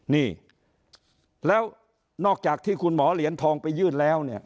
นี่แล้วนอกจากที่คุณหมอเหรียญทองไปยื่นแล้วเนี่ย